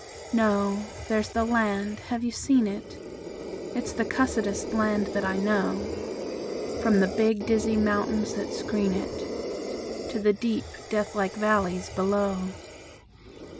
No! There's the land. (Have you seen it?) It's the cussedest land that I know, From the big, dizzy mountains that screen it To the deep, deathlike valleys below.